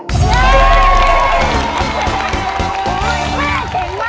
แม่เจ๋งมาก